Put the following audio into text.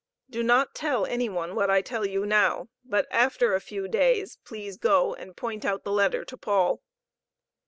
Do not tell any one what I tell you now. But after a few days, please go and point out the letter to Paul."